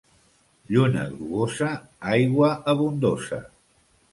Lluna grogosa, aigua abundosa.